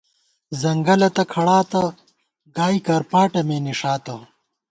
ځنگَلہ تہ کھڑاتہ ، گائی کرپاٹہ مے نِݭاتہ